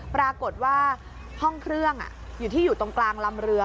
ปรากฏว่าห้องเครื่องอยู่ที่อยู่ตรงกลางลำเรือ